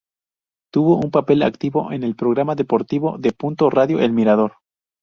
Tuvo un papel activo en el programa deportivo de Punto Radio El Mirador.